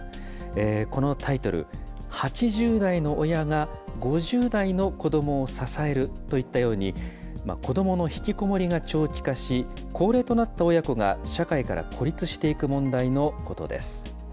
このタイトル、８０代の親が５０代の子どもを支えるといったように、子どものひきこもりが長期化し、高齢となった親子が社会から孤立していく問題のことです。